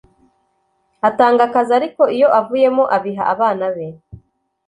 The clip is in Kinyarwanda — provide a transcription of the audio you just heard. atanga akazi ariko iyo avuyemo abiha abana be